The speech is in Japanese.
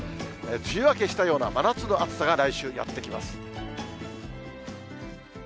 梅雨明けしたような真夏の暑さが来週、やってきます。